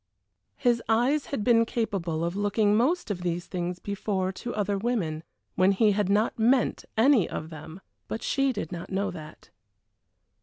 His eyes had been capable of looking most of these things before to other women, when he had not meant any of them, but she did not know that.